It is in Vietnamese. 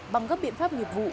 bằng các biện pháp nghiệp vụ